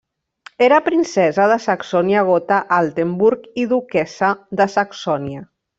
Era princesa de Saxònia-Gotha-Altenburg i duquessa de Saxònia.